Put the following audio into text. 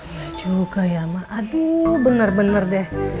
ya juga ya mak aduh bener bener deh